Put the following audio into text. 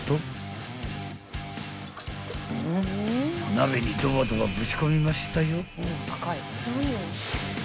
［鍋にドバドバぶち込みましたよ］